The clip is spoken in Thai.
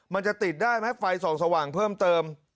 มันจะติดได้ไหมไฟส่องสว่างเพิ่มเติม